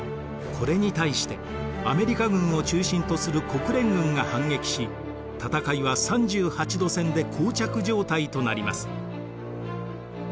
これに対してアメリカ軍を中心とする国連軍が反撃し戦いは３８度線でこう着状態となります。